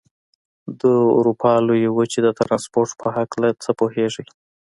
د اروپا لویې وچې د ترانسپورت په هلکه څه پوهېږئ؟